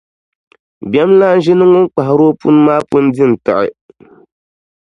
Biɛmlana ʒi ni ŋun kpahiri o pooni maa ŋun pun di n-tiɣi.